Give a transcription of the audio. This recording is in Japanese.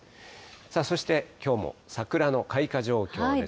そしてきょうも桜の開花状況です